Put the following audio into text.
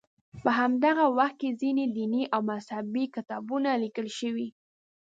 په همدغه وخت کې ځینې دیني او مذهبي کتابونه لیکل شوي.